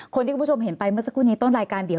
คนที่คุณผู้ชมเห็นไปเมื่อสักครู่นี้